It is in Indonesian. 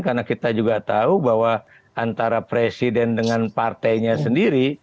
karena kita juga tahu bahwa antara presiden dengan partainya sendiri